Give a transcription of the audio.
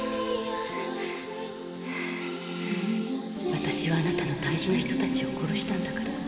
私はあなたの大事な人たちを殺したんだから。